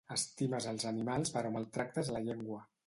Estimes els animals però maltractes la llengua